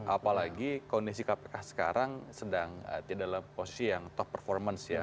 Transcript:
apalagi kondisi kpk sekarang sedang tidak dalam posisi yang top performance ya